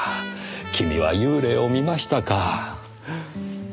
君は幽霊を見ましたか。